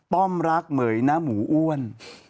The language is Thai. ป้อมรักเหม๋ยนะหมูอ้วน